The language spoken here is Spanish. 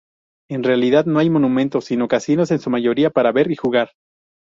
En realidad, no hay monumentos, sino casinos en su mayoría para ver y jugar.